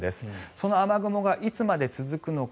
その雨雲がいつまで続くのか。